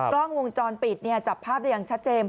กล้องวงจรปิดจับภาพได้อย่างชัดเจน